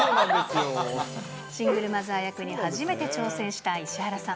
シングルマザー役に初めて挑戦した石原さん。